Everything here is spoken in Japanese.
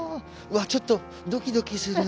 うわっちょっとドキドキする。